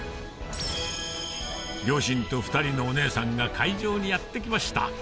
両親と２人のお姉さんが会場にやって来ました